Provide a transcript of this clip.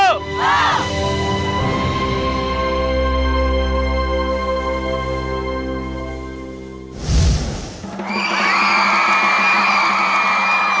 สู้